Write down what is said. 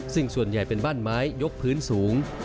ซึ่งส่วนใหญ่เป็นบ้านไม้ยกพื้นสูง